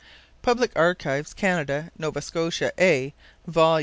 Public Archives, Canada. Nova Scotia A, vol.